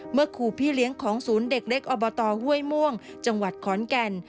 เมื่อครูพี่เลี้ยงของศูนย์เด็กเล็กอบตห้วยม่วงจังหวัดขอนแก่น